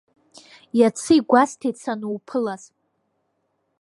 Иацы игәасҭеит сануԥылаз…